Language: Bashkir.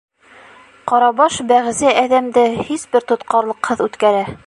Ҡарабаш бәғзе әҙәмде һис бер тотҡарлыҡһыҙ үткәрә.